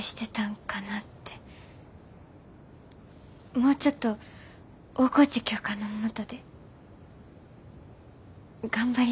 もうちょっと大河内教官の下で頑張りたいです。